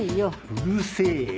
うるせぇよ。